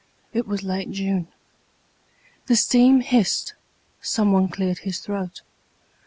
It was late June. The steam hissed. Someone cleared his throat.